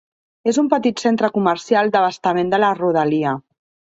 És un petit centre comercial d'abastament de la rodalia.